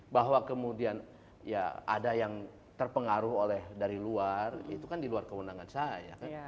bahwa kemudian ya ada yang terpengaruh oleh dari luar itu kan di luar kewenangan saya